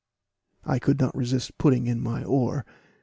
I could not resist putting in my oar.